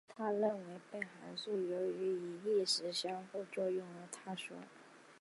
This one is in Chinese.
他认为波函数由于与意识的相互作用而坍缩。